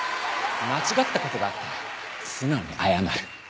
「間違った事があったら素直に謝る」